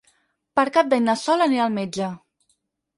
Per Cap d'Any na Sol anirà al metge.